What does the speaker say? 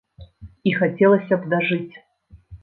І хацелася б дажыць.